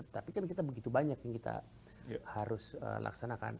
tapi kan kita begitu banyak yang kita harus laksanakan